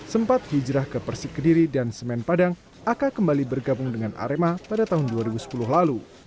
sempat hijrah ke persik kediri dan semen padang aka kembali bergabung dengan arema pada tahun dua ribu sepuluh lalu